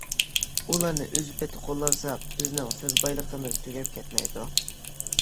ئۇلارنى ئۆز پېتى قوللانساق بىزنىڭ سۆز بايلىقىمىز تۈگەپ كەتمەيدۇ.